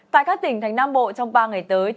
tại các tỉnh thành nam bộ trong ba ngày tới